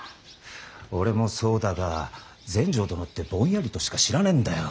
俺もそうだが全成殿ってぼんやりとしか知らねえんだよ。